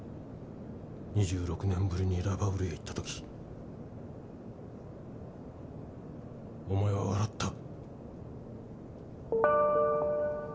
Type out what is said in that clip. ２６年ぶりにラバウルへ行った時お前は笑った。